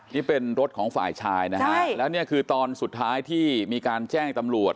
นี่เป็นรถของฝ่ายชายนะฮะแล้วเนี่ยคือตอนสุดท้ายที่มีการแจ้งตำรวจ